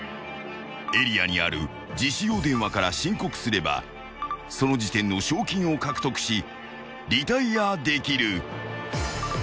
［エリアにある自首用電話から申告すればその時点の賞金を獲得しリタイアできる］